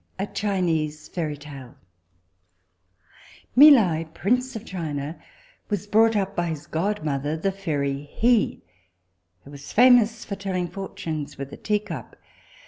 A Chinese Fairy Tale. Mi Li, prince of China, was brought up by his godmother the fairy Hih, who was famous for telling fortunes with a tea cup.